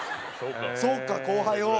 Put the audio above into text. そっか後輩を。